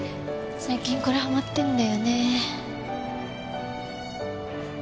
最近これハマってるんだよね。